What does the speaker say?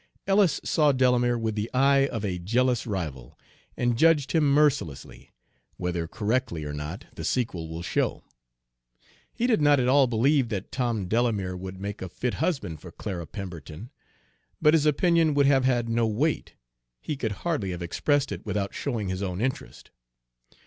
Ellis saw Delamere with the eye of a jealous rival, and judged him mercilessly, whether correctly or not the sequel will show. He did not at all believe that Tom Delamere would make a fit husband for Clara Pemberton; but his opinion would have had no weight, he could hardly have expressed it without showing his own interest.